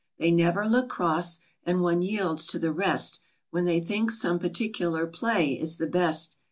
They never look cross ; and one yields to the rest, "When they think some particular play is the best.